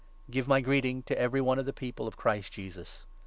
Give my greeting to every one of the People of 21 ""' Christ Jesus.